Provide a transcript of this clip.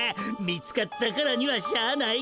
見つかったからにはしゃあない。